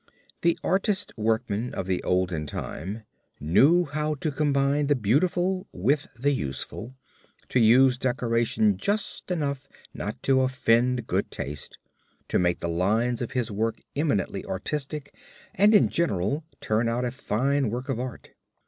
The artist workman of the olden time knew how to combine the beautiful with the useful, to use decoration just enough not to offend good taste, to make the lines of his work eminently artistic and in general to turn out a fine work of art.